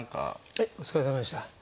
はいお疲れさまでした。